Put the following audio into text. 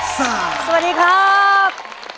สวัสดีครับ